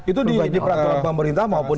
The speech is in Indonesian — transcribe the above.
itu di peraturan pemerintah